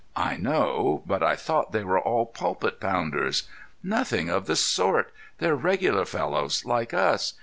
"I know; but I thought they were all pulpit pounders." "Nothing of the sort! They're regular fellows, like us.